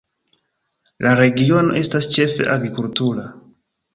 La regiono estas ĉefe agrikultura.